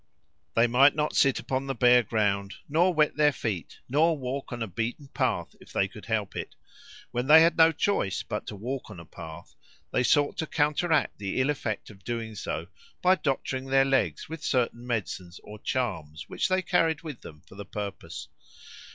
They might not sit upon the bare ground, nor wet their feet, nor walk on a beaten path if they could help it; when they had no choice but to walk on a path, they sought to counteract the ill effect of doing so by doctoring their legs with certain medicines or charms which they carried with them for the purpose.